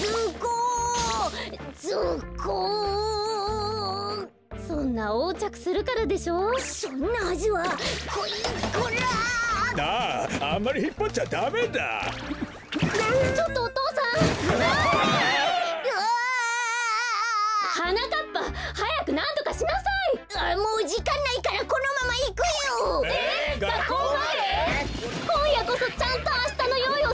こんやこそちゃんとあしたのよういをするのよ！